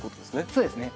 そうですね。